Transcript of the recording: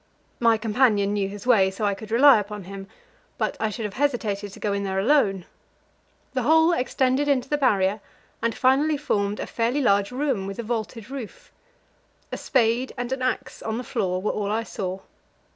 My companion knew his way, so I could rely upon him, but I should have hesitated to go in there alone. The hole extended into the Barrier, and finally formed a fairly large room with a vaulted roof. A spade and an axe on the floor were all I saw.